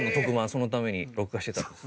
そのために録画してたんです。